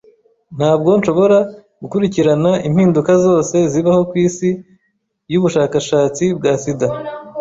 Ntabwo nshobora gukurikirana impinduka zose zibaho kwisi yubushakashatsi bwa sida.